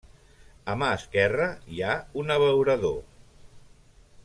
A mà esquerra hi ha un abeurador.